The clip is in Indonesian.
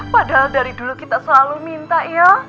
padahal dari dulu kita selalu minta ya